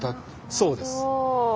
そうです。